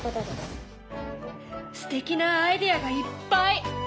すてきなアイデアがいっぱい！